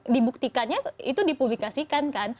dibuktikannya itu dipublikasikan kan